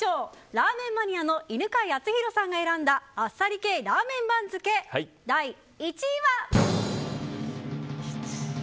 ラーメンマニアの犬飼貴丈さんが選んだあっさり系ラーメン番付第１位は。